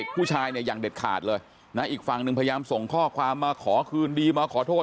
ผู้ชายเนี่ยอย่างเด็ดขาดเลยนะอีกฝั่งหนึ่งพยายามส่งข้อความมาขอคืนดีมาขอโทษ